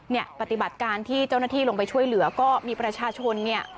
ปฏิบัติการที่เจ้าหน้าที่ลงไปช่วยเหลือก็มีประชาชนเนี่ย